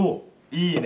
いいね！